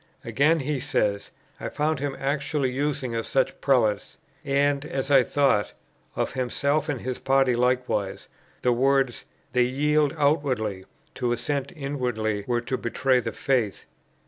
Again, he says: "I found him actually using of such [prelates], (and, as I thought, of himself and his party likewise,) the words 'They yield outwardly; to assent inwardly were to betray the faith.